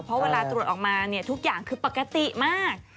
เพราะเวลาตรวจออกมาเนี่ยทุกอย่างคือปกติมาก